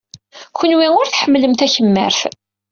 Kenwi ur tḥemmlem takemmart.